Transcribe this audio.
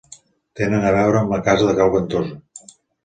Tenen a veure amb la casa de Cal Ventosa.